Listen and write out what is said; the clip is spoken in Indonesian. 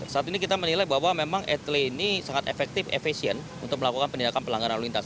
saat ini kita menilai bahwa memang etele ini sangat efektif efisien untuk melakukan penindakan pelanggaran lalu lintas